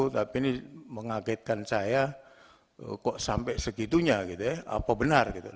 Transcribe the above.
tapi ini mengagetkan saya kok sampai segitunya gitu ya apa benar gitu